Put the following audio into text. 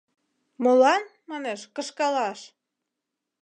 — Молан, манеш, кышкалаш?